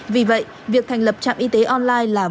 vì vậy việc thành lập trạm y tế online là vấn đề